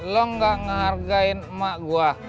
lo gak ngehargain emak gue